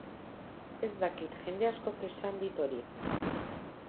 Ez dakit, jende askok esan dit hori.